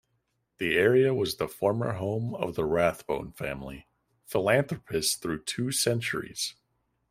The area was the former home of the Rathbone family, philanthropists through two centuries.